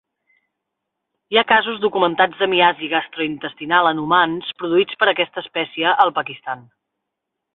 Hi ha casos documentats de miasi gastrointestinal en humans produïts per aquesta espècie al Pakistan.